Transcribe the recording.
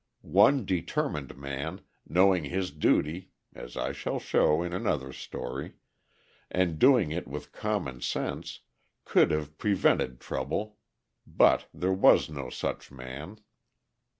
One determined man, knowing his duty (as I shall show in another story), and doing it with common sense, could have prevented trouble, but there was no such man.